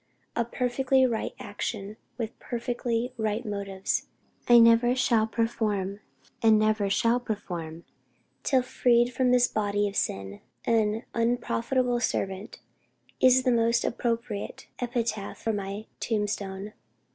A perfectly right action, with perfectly right motives, I never performed, and never shall perform, till freed from this body of sin. An unprofitable servant, is the most appropriate epitaph for my tombstone."